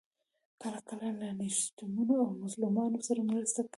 کله کله له نیستمنو او مظلومانو سره مرسته کوي.